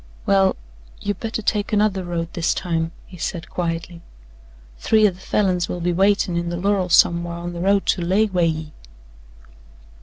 "Well, you better take another road this time," he said quietly. "Three o' the Falins will be waitin' in the lorrel somewhar on the road to lay way ye."